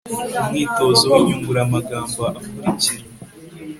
umwitozo w'inyunguramagambo akurikira